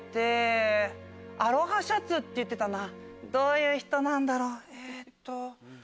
どういう人なんだろう？